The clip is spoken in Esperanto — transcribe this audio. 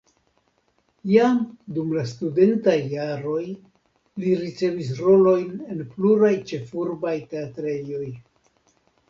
Jam dum la studentaj jaroj li ricevis rolojn en pluraj ĉefurbaj teatrejoj.